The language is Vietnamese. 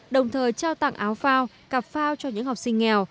đồng thời trao tặng áo phao cặp phao cho những học sinh nghèo